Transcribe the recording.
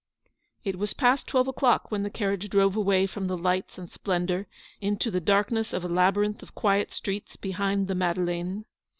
It was past twelve o'clock when the carriage drove away from the lights and splendour into the darkness of a labyrinth of quiet streets behind the Madeleine.